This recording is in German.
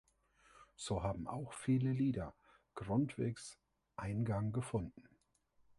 So haben auch viele Lieder Grundtvigs Eingang gefunden.